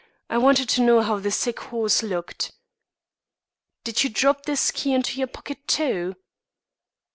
I wanted to see how the sick horse looked." "Did you drop this key into your pocket, too?"